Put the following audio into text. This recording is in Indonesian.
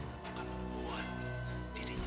akan membuat dirinya